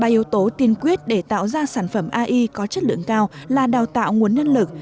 ba yếu tố tiên quyết để tạo ra sản phẩm ai có chất lượng cao là đào tạo nguồn nhân lực